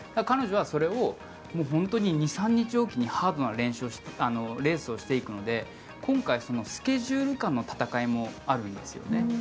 彼女はそれを本当に２３日おきにハードなレースをしていくので今回、スケジュール感の戦いもあるんですよね。